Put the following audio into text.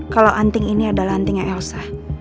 kalau anting ini adalah antingnya elsa